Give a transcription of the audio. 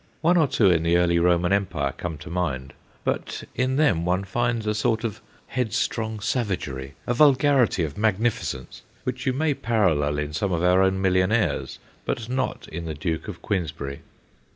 One or two in the early Roman Empire come to mind, but in them one finds a sort of headstrong savagery, a vulgarity of magni ficence, which you may parallel in some of our own millionaires but not in the Duke of Queensberry.